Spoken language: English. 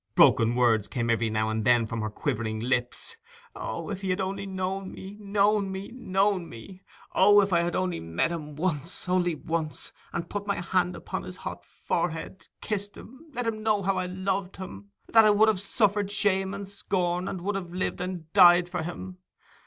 Broken words came every now and then from her quivering lips: 'O, if he had only known of me—known of me—me! ... O, if I had only once met him—only once; and put my hand upon his hot forehead—kissed him—let him know how I loved him—that I would have suffered shame and scorn, would have lived and died, for him!